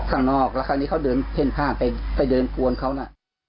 ข้างนอกแล้วคราวนี้เขาเดินเพ่นผ้านไปเดินกวนเขาน่ะ